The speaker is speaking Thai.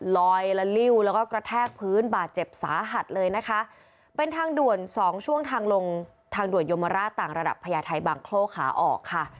ลอยละลิ้วแล้วก็กระแทกพื้นบาดเจ็บสาหัสเลยนะคะเป็นทางด่วนสองช่วงทางลงทางด่วนยมราชต่างระดับพญาไทยบางโคร่ขาออกค่ะ